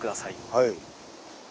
はい。